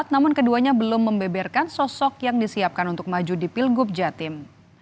namun keduanya belum membeberkan sosok yang disiapkan untuk maju di pilgub jatim